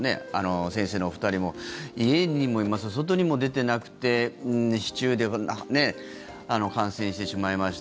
先生のお二人も家にいます、外にも出てなくて市中で感染してしまいました。